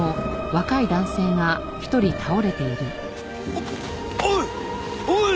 おっおい！